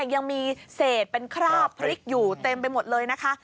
ยังมีเศษเป็นคราบพริกอยู่เต็มไปหมดเลยนะคะ